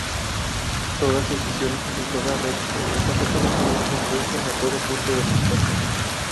Toda sucesión y toda red en esta topología convergen a todo punto del espacio.